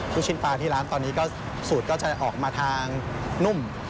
ลูกชิ้นปลาที่ร้านตอนนี้ก็สูตรก็จะออกมาทางนุ่ม